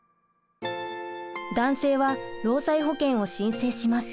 男性は労災保険を申請します。